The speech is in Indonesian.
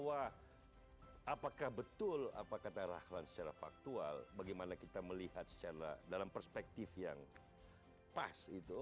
apakah betul apa kata rahlan secara faktual bagaimana kita melihat secara dalam perspektif yang pas itu